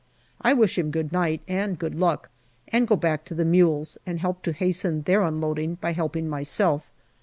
I wish him " Good night and good luck," and go back to the mules, and help to hasten their unloading by helping myself.